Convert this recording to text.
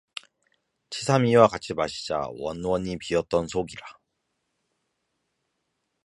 치삼이와 같이 마시자 원원이 비었던 속이라